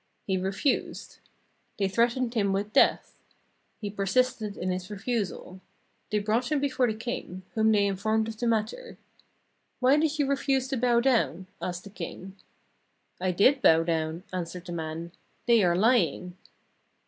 He refused. They threatened him with death. He persisted in his refusal. They brought him before the king, whom they informed of the matter. 'Why did you refuse to bow down?' asked the king. 'I did bow down,' answered the man; 'they are lying.'